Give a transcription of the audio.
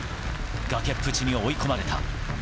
崖っぷちに追い込まれた。